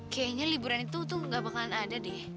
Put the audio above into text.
kayaknya liburan itu tuh gak bakalan ada deh